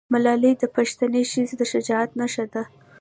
ملالۍ د پښتنې ښځې د شجاعت نښه ده.